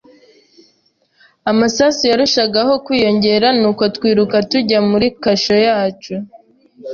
Amasasu yarushagaho kwiyongera, nuko twiruka tujya muri kasho yacu.